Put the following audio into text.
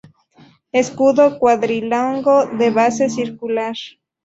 Escudo cuadrilongo de base circular.